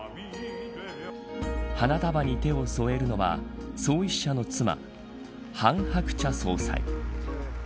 花束に手を添えるのは創始者の妻韓鶴子総裁。